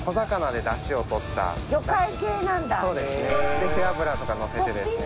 背脂とかのせてですね。